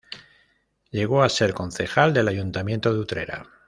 Llegó a ser concejal del Ayuntamiento de Utrera.